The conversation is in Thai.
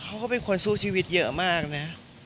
เขาก็เป็นคนสู้ชีวิตเยอะมากนะ